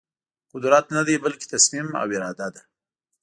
قدرت ندی بلکې تصمیم او اراده ده.